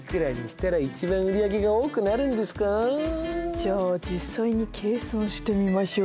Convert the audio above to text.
じゃあ実際に計算してみましょう。